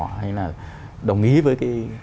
hay là đồng ý với cái